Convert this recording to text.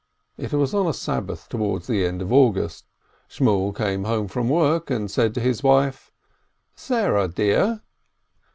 It was on a Sabbath towards the end of August. Shmuel came home from work, and said to his wife : "Sarah, dear!"